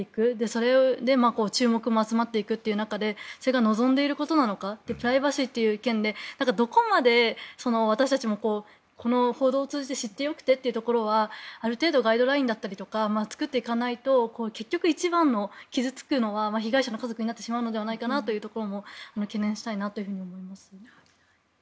それで注目も集まっていく中でそれが望んでいることなのかプライバシーという意見でどこまで私たちもこの報道を通じて知ってよくてというところはある程度ガイドラインだったりとか作っていかないと結局、一番傷付くのは被害者の家族になってしまうのではないかなというところも続いては。